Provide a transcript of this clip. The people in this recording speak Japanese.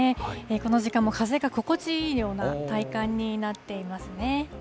この時間も風が心地いいような体感になっていますね。